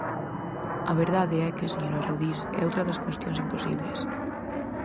A verdade é que, señora Rodís, é outra das cuestións imposibles.